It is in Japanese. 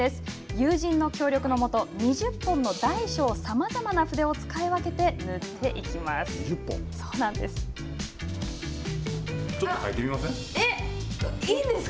友人の協力のもと２０本の大小さまざまな筆を使い分けてちょっと描いてみません？